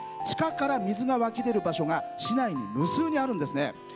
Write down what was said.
地下から水が湧き出る場所が市内に無数にあるんですね。